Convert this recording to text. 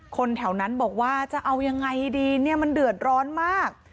คนแถวนั้นบอกว่าจะเอายังไงดีเนี่ยมันเดือดร้อนมาก